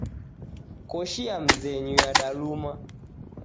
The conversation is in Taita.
Koshi ya mzenyu yadaluma.